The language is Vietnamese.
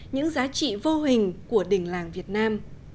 những giá trị vô hình của đỉnh làng việt nam